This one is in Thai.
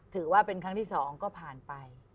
ถือว่าเป็นครั้งที่๒ก็ผ่านไป